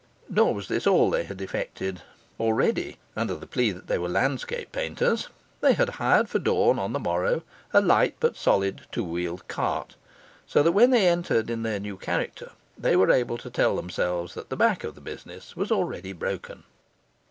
Nor was this all they had effected; already (under the plea that they were landscape painters) they had hired for dawn on the morrow a light but solid two wheeled cart; so that when they entered in their new character, they were able to tell themselves that the back of the business was already broken.